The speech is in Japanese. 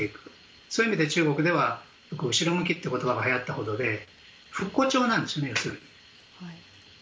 そういう意味では中国では後ろ向きという言葉がはやったほどで復古調なんですね、要するに。